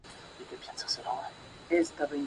Consiste en una versión Jazz muy animada.